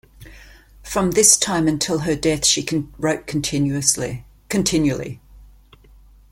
From this time until her death, she wrote continually.